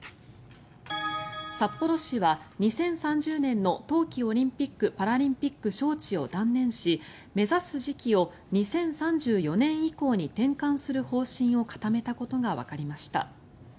札幌市は２０３０年の冬季オリンピック・パラリンピック招致を断念し目指す時期を２０３４年以降に転換する方針を固めたことがわかりました。